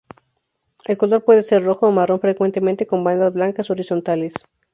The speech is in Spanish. El color puede ser rojo o marrón, frecuentemente con bandas blancas horizontales.